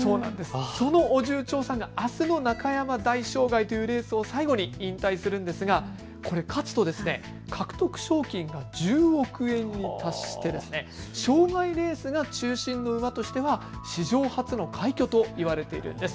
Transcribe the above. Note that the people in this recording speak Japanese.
そのオジュウチョウサンがあすの中山大障害というレースを最後に引退するんですが、これ勝つと獲得賞金が１０億円に達して障害レースが中心の馬としては史上初の快挙と言われているんです。